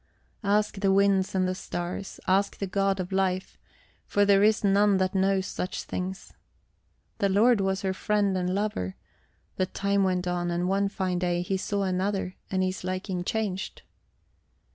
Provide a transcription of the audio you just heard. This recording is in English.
Ask the winds and the stars, ask the God of life, for there is none that knows such things. The lord was her friend and lover; but time went on, and one fine day he saw another and his liking changed.